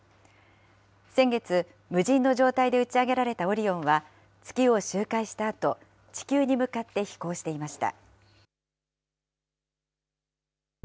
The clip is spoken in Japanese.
先月、無人の状態で打ち上げられたオリオンは、月を周回したあと、地球に向かって飛行していました。